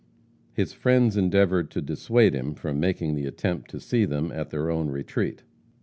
His friends endeavored to dissuade him from making the attempt to see them at their own retreat.